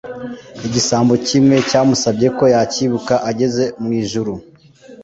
Igisambo kimwe cyamusabye ko yakibuka ageze mw’ijuru